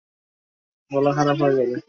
গলা খারাপ হয়ে যাবে।